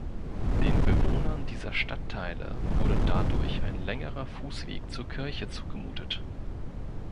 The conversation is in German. Den Bewohnern dieser Stadtteile wurde dadurch ein längerer Fußweg zur Kirche zugemutet.